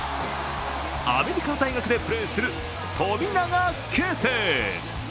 アメリカの大学でプレーする富永啓生。